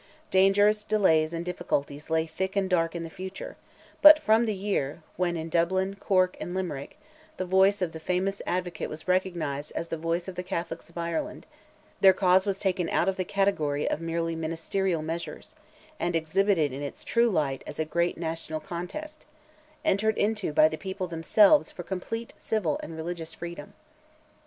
Dangers, delays and difficulties lay thick and dark in the future, but from the year, when in Dublin, Cork and Limerick, the voice of the famous advocate was recognized as the voice of the Catholics of Ireland, their cause was taken out of the category of merely ministerial measures, and exhibited in its true light as a great national contest, entered into by the people themselves for complete civil and religious freedom.